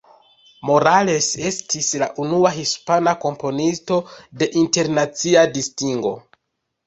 Morales estis la unua hispana komponisto de internacia distingo.